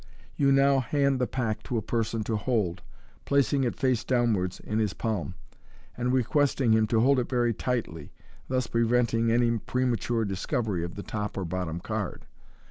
You now hand the pack to a person to hold, placing it face downwards in his palm, and requesting him to hold it very tightly, thus preventing any premature discovery of the top or bottom card.